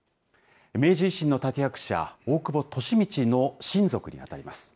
明治維新の立て役者、大久保利通の親族に当たります。